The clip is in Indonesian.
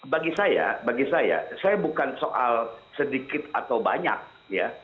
bagi saya bagi saya saya bukan soal sedikit atau banyak ya